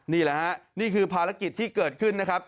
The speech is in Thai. นี่แหละฮะนี่คือภารกิจที่เกิดขึ้นนะครับ